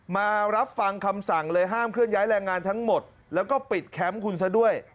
มารับฟังคำสั่งเลยห้ามเคลื่อนย้ายแรงงานทั้งหมดแล้วก็ปิดแคมป์คุณซะด้วย